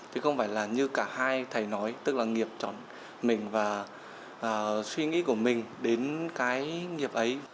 chứ không phải là như cả hai thầy nói tức là nghiệp chọn mình và suy nghĩ của mình đến cái nghiệp ấy